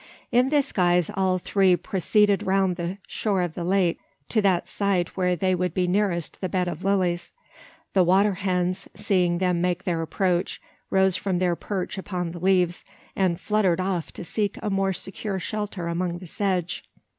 In this guise all three proceeded round the shore of the lake, to that side where they would be nearest the bed of lilies. The water hens, seeing them make their approach, rose from their perch upon the leaves, and fluttered off to seek a more secure shelter among the sedge.